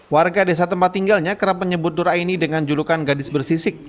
warga desa tempat tinggalnya kerap menyebut nur aini dengan julukan gadis bersisik